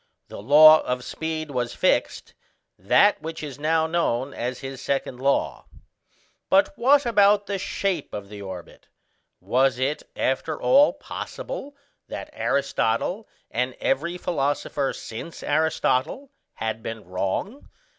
The law of speed was fixed: that which is now known as his second law. But what about the shape of the orbit Was it after all possible that Aristotle, and every philosopher since Aristotle, had been wrong?